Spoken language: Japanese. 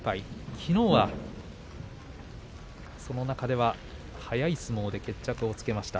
きのうはその中では速い相撲で決着をつけました。